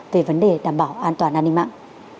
về vấn đề đảm bảo an toàn an ninh mạng